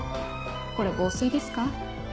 これ防水ですか？